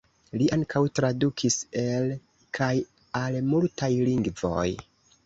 Li ankaŭ tradukis el kaj al multaj lingvoj.